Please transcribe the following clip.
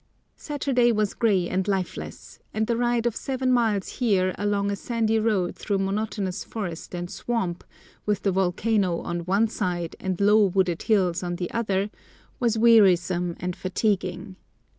Saturday was grey and lifeless, and the ride of seven miles here along a sandy road through monotonous forest and swamp, with the volcano on one side and low wooded hills on the other, was wearisome and fatiguing.